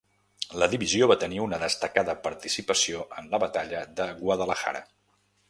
La divisió va tenir una destacada participació en la batalla de Guadalajara.